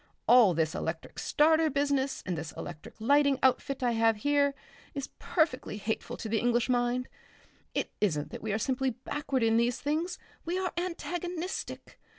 All this electric starter business and this electric lighting outfit I have here, is perfectly hateful to the English mind.... It isn't that we are simply backward in these things, we are antagonistic.